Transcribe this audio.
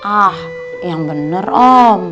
ah yang bener om